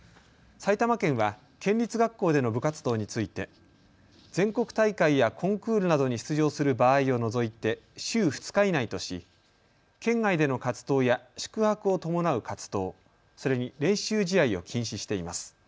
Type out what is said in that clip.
埼玉県は県立学校での部活動について全国大会やコンクールなどに出場する場合を除いて週２日以内とし県外での活動や宿泊を伴う活動、それに練習試合を禁止しています。